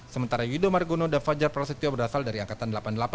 sementara yudho margono dan fajar prasetyo berasal dari angkatan delapan puluh delapan